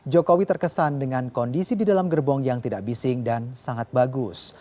jokowi terkesan dengan kondisi di dalam gerbong yang tidak bising dan sangat bagus